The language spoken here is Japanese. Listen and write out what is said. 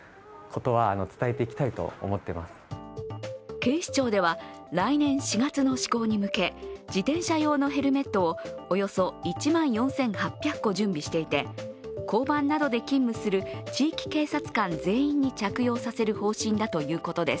警視庁では、来年４月の施行に向け、自転車用のヘルメットをおよそ１万４８００個準備していて交番などで勤務する地域警察官全員に着用させる方針だということです。